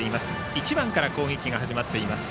１番から攻撃が始まっています。